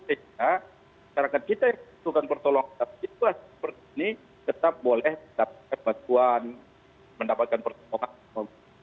sehingga rakyat kita yang butuhkan pertolongan tetap boleh mendapatkan pertolongan